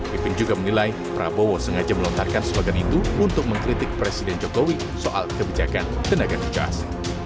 pipin juga menilai prabowo sengaja melontarkan slogan itu untuk mengkritik presiden jokowi soal kebijakan tenaga kerja as